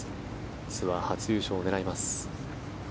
ツアー初優勝を狙います。